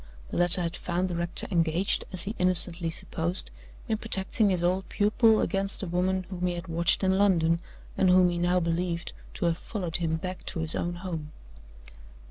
The letter had found the rector engaged, as he innocently supposed, in protecting his old pupil against the woman whom he had watched in London, and whom he now believed to have followed him back to his own home.